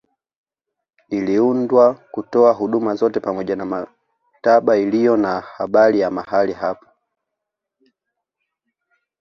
Iliundwa kutoa huduma zote pamoja na maktaba iliyo na habari ya mahali hapo